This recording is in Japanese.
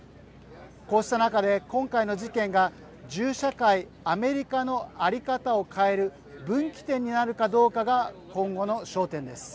こうした中で今回の事件が銃社会、アメリカの在り方を変える分岐点になるかどうかが今後の焦点です。